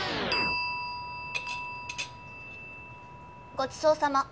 ごちそうさま。